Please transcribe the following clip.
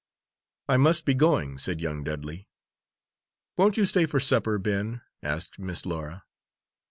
"I must be going," said young Dudley. "Won't you stay to supper, Ben?" asked Miss Laura.